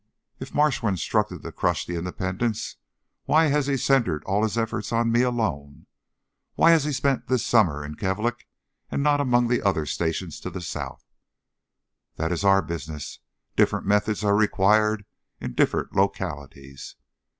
"If Marsh was instructed to crush the independents, why has he centred all his efforts on me alone? Why has he spent this summer in Kalvik and not among the other stations to the south?" "That is our business. Different methods are required in different localities."